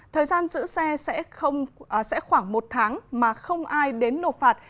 thời gian giữ xe sẽ khoảng một tháng mà không ai đến nộp phạt